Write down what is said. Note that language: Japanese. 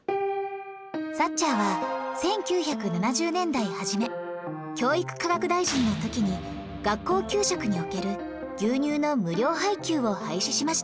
サッチャーは１９７０年代初め教育科学大臣の時に学校給食における牛乳の無料配給を廃止しました